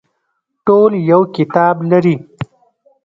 ټول یو کتاب لري